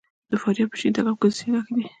د فاریاب په شیرین تګاب کې د څه شي نښې دي؟